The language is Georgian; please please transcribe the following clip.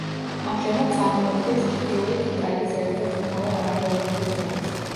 ამჟამად წარმოადგენს ჩრდილოეთ იტალიის ერთ-ერთ მთავარ არქეოლოგიურ ძეგლს.